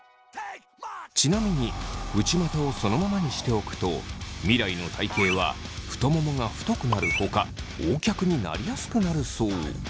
ちなみに内股をそのままにしておくと未来の体型は太ももが太くなるほかＯ脚になりやすくなるそう。